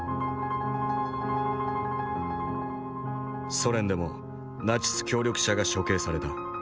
ソ連でもナチス協力者が処刑された。